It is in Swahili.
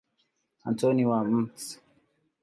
Antoni wa Mt.